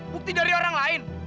bukti dari orang lain